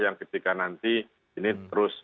yang ketika nanti ini terus